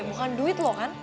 bukan duit loh kan